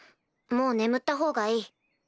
もう眠ったほうがいい。